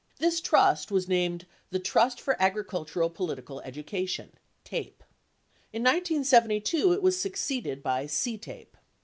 This trust was named the Trust for Agricultural Political Education (TAPE). In 1972 it was succeeded by CTAPE.